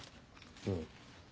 うん。